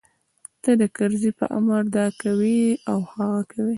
ته د کرزي په امر دا کوې او هغه کوې.